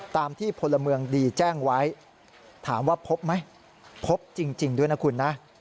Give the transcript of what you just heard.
ตามที่พลเมืองดีแจ้งไว้ถามว่าพบไหมพบจริงด้วยนะคุณนะ